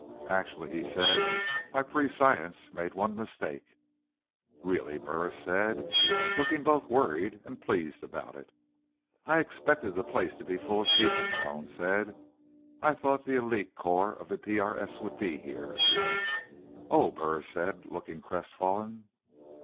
"Actually," he said, "my prescience made one mistake." "Really?" Burris said, looking both worried and pleased about it. "I expected the place to be full of people," Malone said. "I thought the elite corps of the PRS would be here." "Oh," Burris said, looking crestfallen.